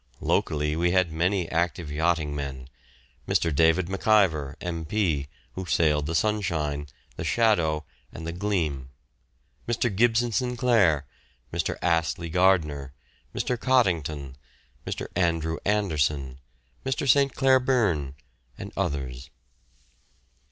Locally we had many active yachting men, Mr. David MacIver, M.P., who sailed the "Sunshine," the "Shadow," and the "Gleam"; Mr. Gibson Sinclair, Mr. Astley Gardner, Mr. Coddington, Mr. Andrew Anderson, Mr. St. Clair Byrne, and others.